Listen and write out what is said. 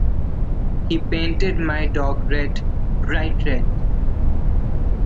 He painted my dog red — bright red.